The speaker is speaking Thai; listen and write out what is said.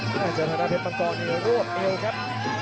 เพชรมองค์กรร่วบมิวครับ